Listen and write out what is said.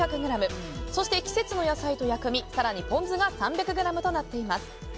そして、季節の野菜と薬味更にポン酢が３００ｇとなっています。